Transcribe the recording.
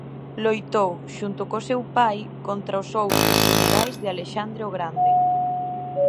Loitou xunto co seu pai contra os outros xenerais de Alexandre o Grande.